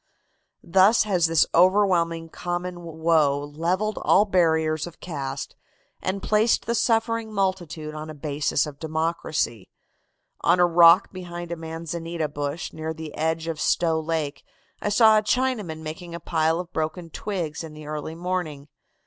"Thus has this overwhelming common woe levelled all barriers of caste and placed the suffering multitude on a basis of democracy. On a rock behind a manzanita bush near the edge of Stow Lake I saw a Chinaman making a pile of broken twigs in the early morning.